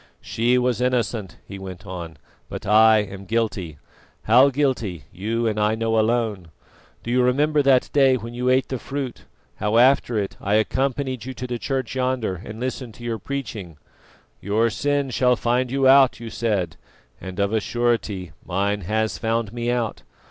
"She was innocent," he went on, "but I am guilty. How guilty you and I know alone. Do you remember that day when you ate the fruit, how after it I accompanied you to the church yonder and listened to your preaching? 'Your sin shall find you out,' you said, and of a surety mine has found me out.